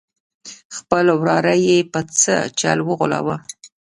خپل وراره یې په څه چل وغولاوه.